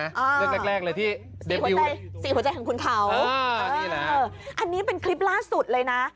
อ่าสี่หัวใจของคุณเขาอ่านี่แหละอันนี้เป็นคลิปล่าสุดเลยนะ